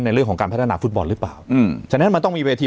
เรื่องของการพัฒนาฟุตบอลหรือเปล่าอืมฉะนั้นมันต้องมีเวที